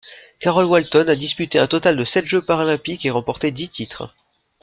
Carol Walton a disputé un total de sept Jeux paralympiques et remporté dix titres.